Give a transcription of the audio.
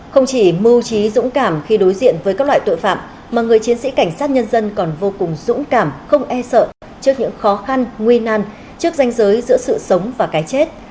không chỉ mưu trí dũng cảm khi đối diện với các loại tội phạm mà người chiến sĩ cảnh sát nhân dân còn vô cùng dũng cảm không e sợ trước những khó khăn nguy nan trước danh giới giữa sự sống và cái chết